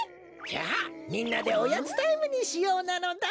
じゃあみんなでおやつタイムにしようなのだ！